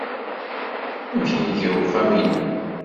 Amek iga uxxam-nnem?